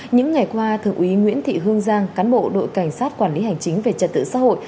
những ngày qua thượng úy nguyễn thị hương giang cán bộ đội cảnh sát quản lý hành chính về trật tự xã hội